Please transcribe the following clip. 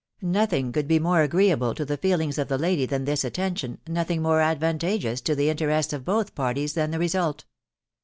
Nothing could he more agreeable to tVe leeHngs of the lady than thk attention, Homing more ad fwatageooa to the interests of both parties than the result.